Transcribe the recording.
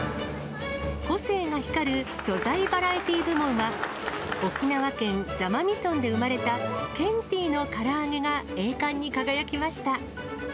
個性が光る素材バラエティ部門は、沖縄県座間味村で生まれた、ケンティのからあげが栄冠に輝きました。